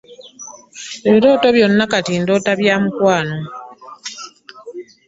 Ebirooto byonna ndoota bya mukwano.